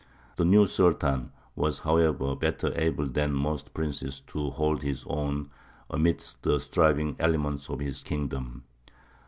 The new Sultan was, however, better able than most princes to hold his own amidst the striving elements of his kingdom.